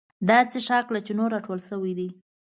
دا څښاک له چینو راټول شوی دی.